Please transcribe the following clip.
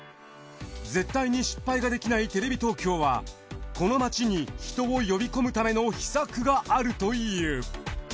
絶対に失敗ができないテレビ東京はこの街に人を呼び込むための秘策があるという。